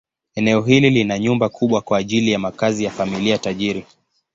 Eneo hili lina nyumba kubwa kwa ajili ya makazi ya familia tajiri.